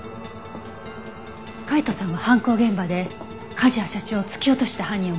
海斗さんは犯行現場で梶谷社長を突き落とした犯人を目撃していた。